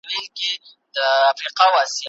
دا موضوع زما لپاره تر ټولو غوره موضوع وه.